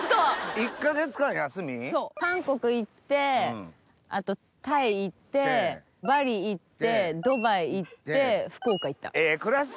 そう韓国行ってあとタイ行ってバリ行ってドバイ行って福岡行った。